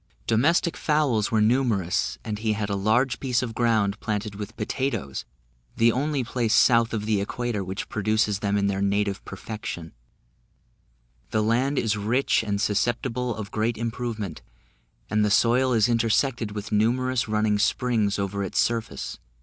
Domestic fowls were numerous, and he had a large piece of ground planted with potatoes, the only place south of the Equator which produces them in their native perfection; the land is rich and susceptible of great improvement; and the soil is intersected with numerous running springs over its surface.